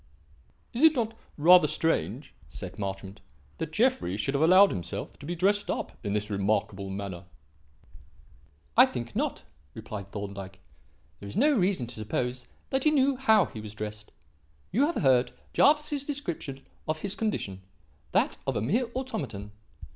"Is it not rather strange," said Marchmont, "that Jeffrey should have allowed himself to be dressed up in this remarkable manner?" "I think not," replied Thorndyke. "There is no reason to suppose that he knew how he was dressed. You have heard Jervis's description of his condition; that of a mere automaton.